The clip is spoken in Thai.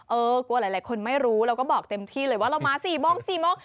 กลัวหลายคนไม่รู้เราก็บอกเต็มที่เลยว่าเรามา๔โมง๔โมง